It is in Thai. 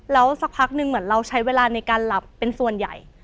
แล้วสักพักหนึ่งเหมือนเราใช้เวลาในการหลับเป็นส่วนใหญ่